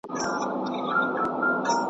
د ځنګله پاچا په ځان پوري حیران وو .